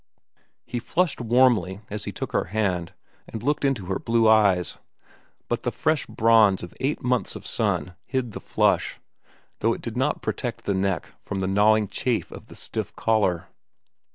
He flushed warmly as he took her hand and looked into her blue eyes, but the fresh bronze of eight months of sun hid the flush, though it did not protect the neck from the gnawing chafe of the stiff collar.